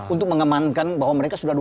untuk mengemankan bahwa mereka sudah